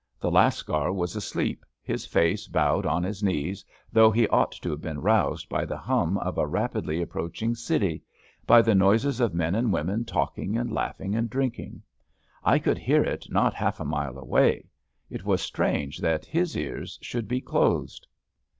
The lascar was asleep, his face bowed on his knees, though he ought to have been roused by the hum of a rapidly approaching city, by the noises of men and women talking and laughing and drinking. I could hear it not half a mile away: it was strange that his ears should be closed.